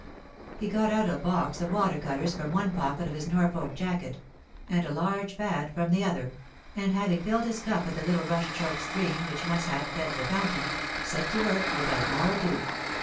He got out a box of water colours from one pocket of his Norfolk jacket and a large pad from the other, and having filled his cup at the little rush choked stream which once had fed the fountain, set to work without more ado.